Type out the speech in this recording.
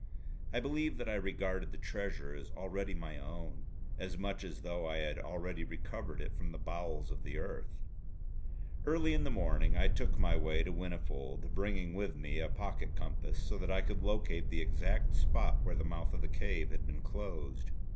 I believe that I regarded the treasure as already my own; as much as though I had already recovered it from the bowels of the earth. Early in the morning I took my way to Whinnyfold, bringing with me a pocket compass so that I could locate the exact spot where the mouth of the cave had been closed.